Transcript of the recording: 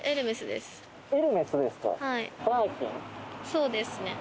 そうですね。